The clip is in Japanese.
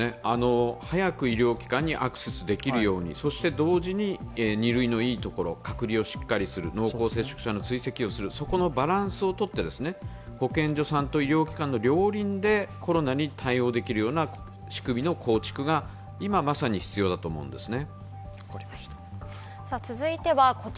早く医療機関にアクセスできるように、同時に二類のいいところ、隔離をしっかりする、濃厚接触者の追跡をする、そこのバランスをとって保健所さんと医療機関の両輪でコロナに対応できるような仕組みの構築が今まさに必要だと思うんですね。